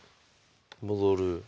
戻る。